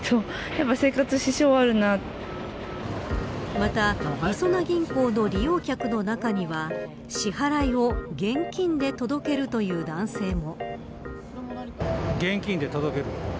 また、りそな銀行の利用客の中には支払いを現金で届けるという男性も。